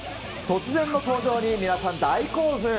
突然の登場に皆さん、大興奮。